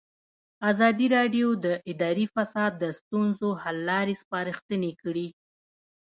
ازادي راډیو د اداري فساد د ستونزو حل لارې سپارښتنې کړي.